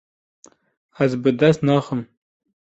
Ez bi dest naxim.